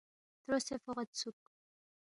تروسے فوغیدسُوک